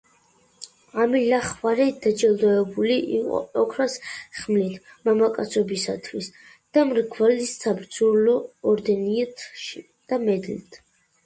ამილახვარი დაჯილდოებული იყო ოქროს ხმლით „მამაცობისათვის“ და მრგვალი საბრძოლო ორდენითა და მედლით.